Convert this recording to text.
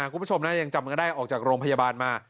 คุณผู้ชมนะยังจำกันได้ออกจากโรงพยาบาลมา